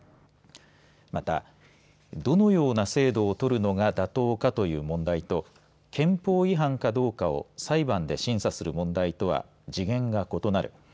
また、どのような制度を採るのが妥当かという問題と憲法違反かどうかを裁判で審査する問題とは次元が異なる。